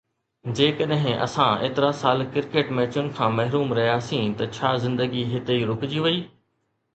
جيڪڏهن اسان ايترا سال ڪرڪيٽ ميچن کان محروم رهياسين ته ڇا زندگي هتي ئي رڪجي وئي؟